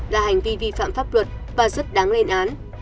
là hành vi vi phạm pháp luật và rất đáng lên án